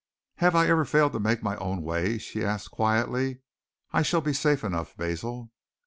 "Have I ever failed to make my own way?" she asked quietly. "I shall be safe enough, Basil."